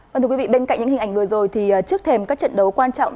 vâng thưa quý vị bên cạnh những hình ảnh vừa rồi thì trước thềm các trận đấu quan trọng